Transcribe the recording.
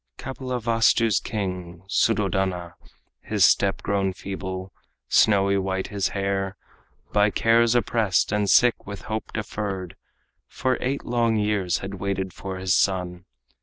Kapilavastu's king, Suddhodana, His step grown feeble, snowy white his hair, By cares oppressed and sick with hope deferred, For eight long years had waited for his son.